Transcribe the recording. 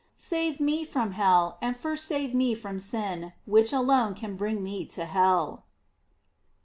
Save me from hell, and first save me from sin, which alone can bring me to hell.